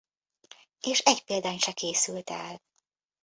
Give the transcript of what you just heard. És egy példány se készült el.